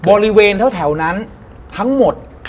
บริเวณแถวนั้นทั้งหมด